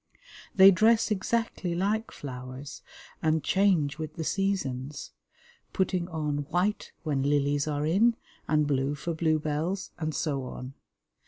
They dress exactly like flowers, and change with the seasons, putting on white when lilies are in and blue for blue bells, and so on.